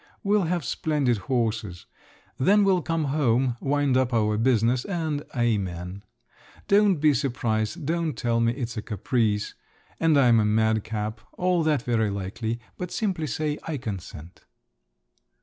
We'll have splendid horses. Then we'll come home, wind up our business, and amen! Don't be surprised, don't tell me it's a caprice, and I'm a madcap—all that's very likely—but simply say, I consent."